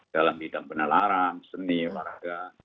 dalam bidang benar larang seni warna tanam